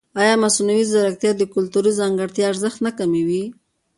ایا مصنوعي ځیرکتیا د کلتوري ځانګړتیاوو ارزښت نه کموي؟